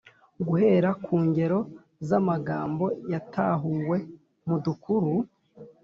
-guhera ku ngero z’amagambo yatahuwe mu dukuru,